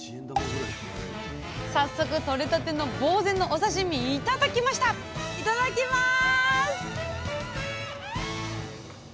早速とれたてのぼうぜのお刺身頂きましたいただきます！